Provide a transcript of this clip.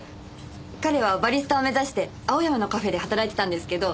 彼はバリスタを目指して青山のカフェで働いてたんですけど。